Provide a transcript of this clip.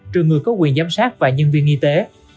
trừ người có quyền giám sát và nhân viên y tế